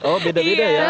oh beda beda ya